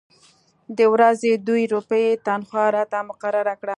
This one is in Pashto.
د ورځې دوې روپۍ تنخوا راته مقرره کړه.